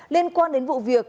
liên quan đến vụ việc